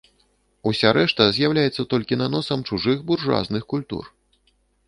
Уся рэшта з'яўляецца толькі наносам чужых буржуазных культур.